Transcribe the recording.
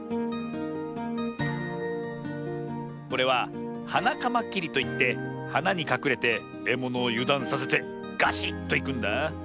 これはハナカマキリといってはなにかくれてえものをゆだんさせてガシッといくんだ。